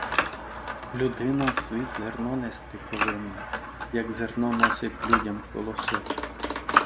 Людина в світ зерно нести повинна, як зерно носить людям колосок